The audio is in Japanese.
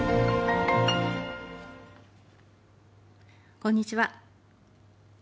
こんにちは。